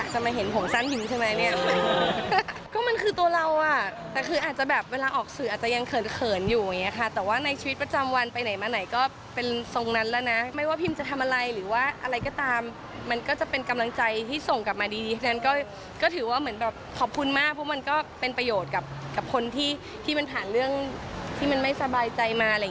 ที่มันผ่านเรื่องที่มันไม่สบายใจมาอะไรอย่างนี้นะคะ